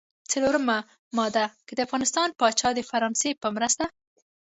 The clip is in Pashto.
څلورمه ماده: که د افغانستان پاچا د فرانسې په مرسته.